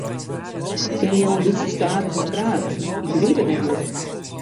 Kinne jo in bytsje stadiger prate, ik begryp it net goed.